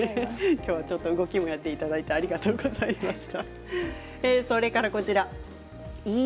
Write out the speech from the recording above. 今日は動きもやっていただいてありがとうございました。